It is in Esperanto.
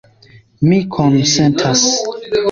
Mi konsentas.